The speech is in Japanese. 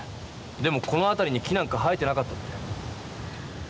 でもこのあたりに木なんか生えてなかったって。